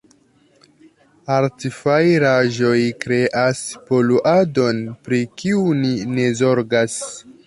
Artfajraĵoj kreas poluadon, pri kiu ni ne zorgas.